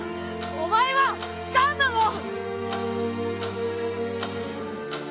お前はガンマモン！